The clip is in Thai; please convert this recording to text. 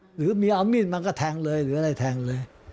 หรือมีเอามีดมาก็แทงเลยหรืออะไรแทงเลย